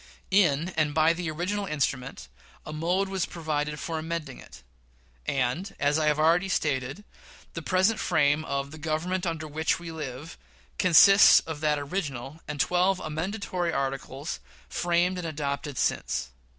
In and by the original instrument, a mode was provided for amending it; and, as I have already stated, the present frame of "the Government under which we live" consists of that original, and twelve amendatory articles framed and adopted since.